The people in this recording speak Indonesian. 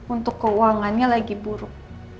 untuk keuangannya lagi buruk